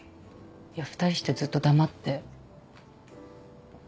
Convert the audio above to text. ２人してずっと黙って。